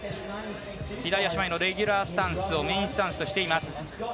左足前のレギュラースタンスをメインスタンスとしています。